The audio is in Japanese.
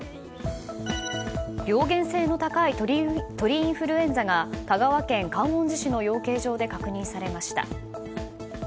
病原性の高い鳥インフルエンザが香川県観音寺市の養鶏場で確認されました。